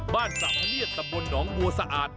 บ้านสรรพะเนียดตำบลดองบัวสะอาด